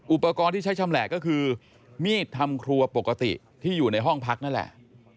อุปกรณ์ที่ใช้ชำแหละก็คือมีดทำครัวปกติที่อยู่ในห้องพักนั่นแหละ